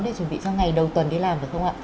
để chuẩn bị cho ngày đầu tuần đi làm được không ạ